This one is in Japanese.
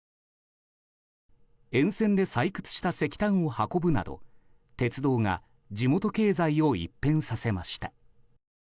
沿線で採掘した石炭を運ぶなど鉄道が地元経済を一変させました。